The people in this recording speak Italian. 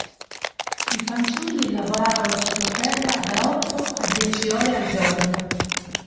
I fanciulli lavoravano sottoterra da otto a dieci ore al giorno.